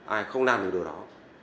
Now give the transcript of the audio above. ai không làm được điều đó